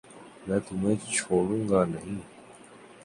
میں تمہیں چھوڑوں گانہیں